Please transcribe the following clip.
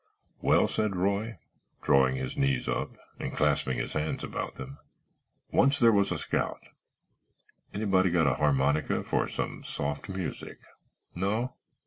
"Well," said Roy, drawing his knees up and clasping his hands about them. "Once there was a scout—anybody got a harmonica for some soft music? No?